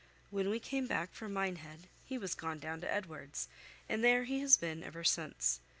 When we came back from Minehead he was gone down to Edward's, and there he has been ever since.